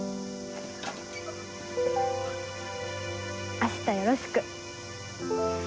明日よろしく。